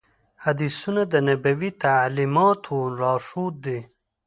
حدیثونه د نبوي تعلیماتو لارښود دي.